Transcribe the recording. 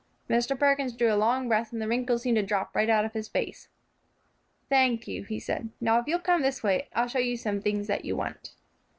Mr. Perkins drew a long breath, and the wrinkles seemed to drop right out of his face. "Thank you," he said. "Now, if you'll come this way, I'll show you some things that you want."